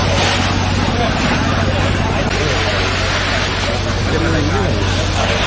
กินกว่าอีกแล้วนะครับ